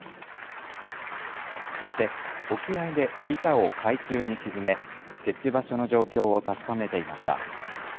そして沖合で板を海中に沈め設置場所の状況を確かめていました。